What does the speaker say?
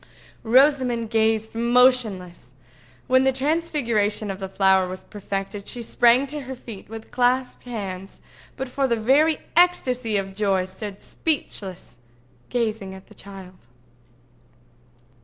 Rosamond gazed motionless. When the transfiguration of the flower was perfected, she sprang to her feet with clasped hands, but for very ecstasy of joy stood speechless, gazing at the child.